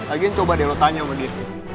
agen coba deh lo tanya sama dia